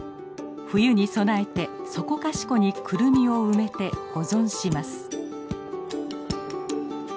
冬に備えてそこかしこにクルミを埋めて保存します。